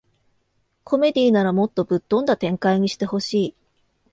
コメディならもっとぶっ飛んだ展開にしてほしい